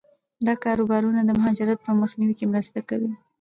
دا کاروبارونه د مهاجرت په مخنیوي کې مرسته کوي.